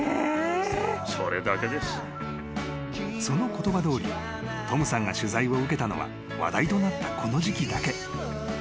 ［その言葉どおりトムさんが取材を受けたのは話題となったこの時期だけ］